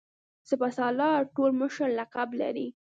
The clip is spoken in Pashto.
سپه سالار ټول مشر لقب لري.